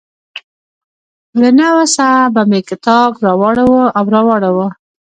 له نه وسه به مې کتاب واړاوه او راواړاوه.